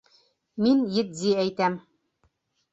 Мин етди әйтәм.